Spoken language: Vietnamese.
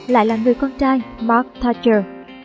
lại là người con trai mark thatcher